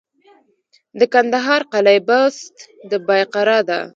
د کندهار قلعه بست د بایقرا ده